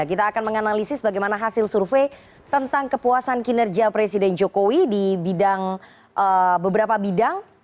kita akan menganalisis bagaimana hasil survei tentang kepuasan kinerja presiden jokowi di bidang beberapa bidang